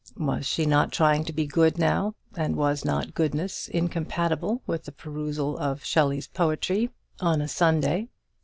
Was she not trying to be good now, and was not goodness incompatible with the perusal of Shelley's poetry on a Sunday?